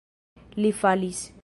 Li falis.